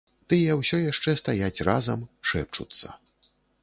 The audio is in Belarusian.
Тыя ўсё яшчэ стаяць разам, шэпчуцца.